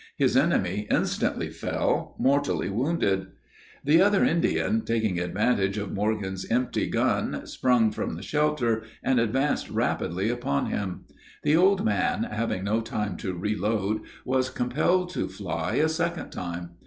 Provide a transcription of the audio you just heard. His enemy instantly fell, mortally wounded. The other Indian, taking advantage of Morgan's empty gun, sprung from the shelter, and advanced rapidly upon him. The old man, having no time to reload, was compelled to fly a second time.